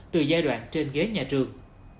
từ giai đoạn trên ghế nhà trường